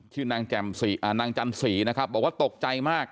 ชื่อนางจำสี่อ่านางจำสี่นะครับบอกว่าตกใจมาก